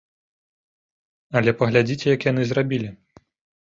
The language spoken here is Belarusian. Але паглядзіце, як яны зрабілі.